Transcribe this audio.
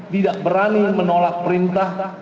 tidak berani menolak perintah